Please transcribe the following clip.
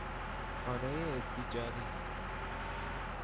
خانهی استیجاری